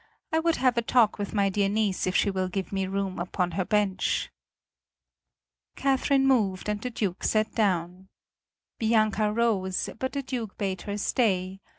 I would have a talk with my dear niece if she will give me room upon her bench." Catherine moved, and the Duke sat down. Bianca rose, but the Duke bade her stay.